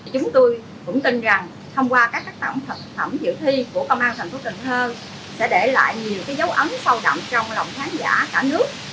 chúng tôi cũng tin rằng thông qua các tác phẩm dự thi của công an tp cần thơ sẽ để lại nhiều dấu ấn sâu đậm trong lòng khán giả cả nước đặc biệt là lực lượng làm công tác tuyên truyền công an nhân dân